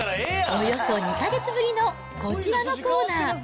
およそ２か月ぶりのこちらのコーナー。